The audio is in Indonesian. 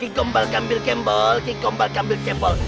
kikombal gambil kembol kikombal gambil kembol